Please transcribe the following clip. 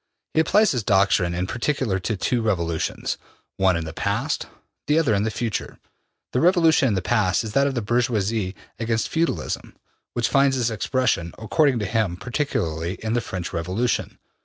He applies his doctrine in particular to two revolutions, one in the past, the other in the future. The revolution in the past is that of the bourgeoisie against feudalism, which finds its expression, according to him, particularly in the French Revolution.